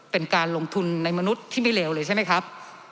เป็นการลงทุนในมนุษย์ที่ไม่เลวเลยใช่ไหมครับ